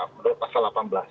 menurut pasal delapan belas